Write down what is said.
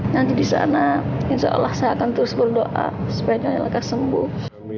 nanti di sana insya allah saya akan terus berdoa supaya klkas sembuh